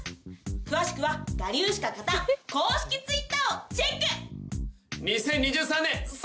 詳しくは『我流しか勝たん！』公式Ｔｗｉｔｔｅｒをチェック！